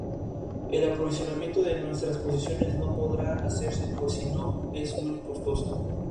El aprovisionamiento de nuestras posiciones no podrá hacerse pues sino a muy alto costo.